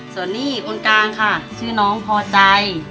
ส่วนนี้คนกลางค่ะชื่อน้องพอใจ